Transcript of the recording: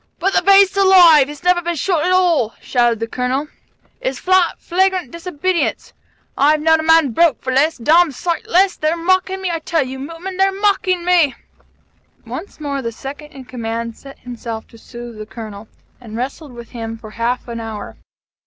"But the beast's alive! He's never been shot at all!" shouted the Colonel. "It's flat, flagrant disobedience! I've known a man broke for less, d d sight less. They're mocking me, I tell you, Mutman! They're mocking me!" Once more, the Second in Command set himself to sooth the Colonel, and wrestled with him for half an hour.